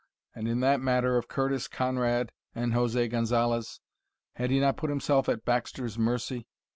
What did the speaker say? And in that matter of Curtis Conrad and José Gonzalez had he not put himself at Baxter's mercy?